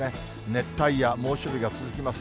熱帯夜、猛暑日が続きます。